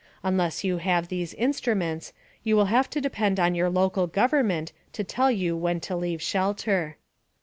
Unless you have these instruments, you will have to depend on your local government to tell you when to leave shelter.